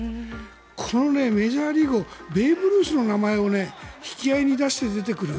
このメジャーリーグをベーブ・ルースの名前を引き合いに出して出てくる。